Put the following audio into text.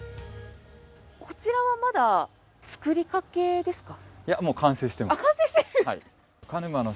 こちらはまだ作りかけですか？